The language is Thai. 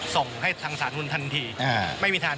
ส่งให้ทางสาธารณูนทันที